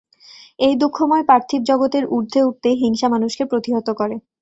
এই দুঃখময় পার্থিব জগতের ঊর্ধ্বে উঠতে হিংসা মানুষকে প্রতিহত করে।